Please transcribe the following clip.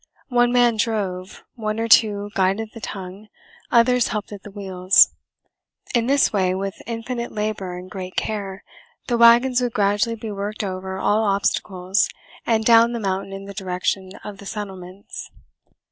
One man drove, one or two guided the tongue, others helped at the wheels. In this way, with infinite labor and great care, the wagons would gradually be worked over all obstacles and down the mountain in the direction of the settlements.